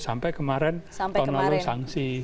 sampai kemarin tonelur sanksi